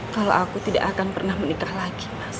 kalau aku tidak akan pernah menikah lagi